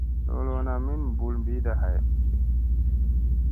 Loloona min mɓul ɓiiɗa hay.